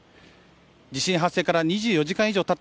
地震発生から２４時間以上たった